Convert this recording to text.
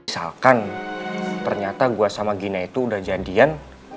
misalkan ternyata gue sama gina itu udah jadian